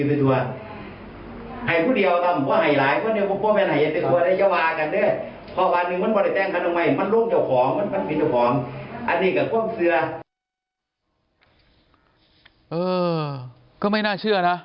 ก็ไม่น่าเชื่อนะ